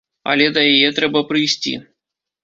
Але да яе трэба прыйсці.